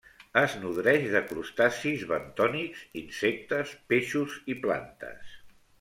Es nodreix de crustacis bentònics, insectes, peixos i plantes.